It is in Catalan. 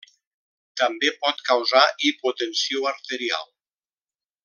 També pot causar hipotensió arterial.